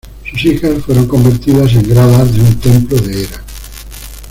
Sus hijas fueron convertidas en gradas de un templo de Hera.